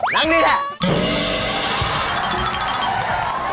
นั่งนี่แหละ